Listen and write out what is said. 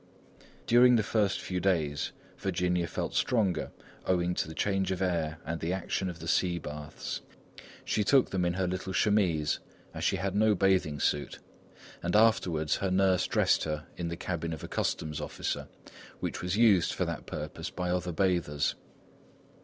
During the first few days, Virginia felt stronger, owing to the change of air and the action of the sea baths. She took them in her little chemise, as she had no bathing suit, and afterwards her nurse dressed her in the cabin of a customs officer, which was used for that purpose by other bathers.